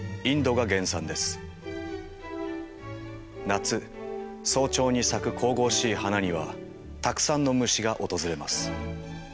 夏早朝に咲く神々しい花にはたくさんの虫が訪れます。